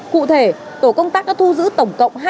cụ thể tổ công tác đã thu giữ tổng cộng hai hai trăm tám mươi sáu phụ